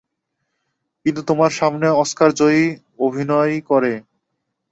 কিন্তু তোমার সামনে অস্কার জয়ি অভিনয় করে!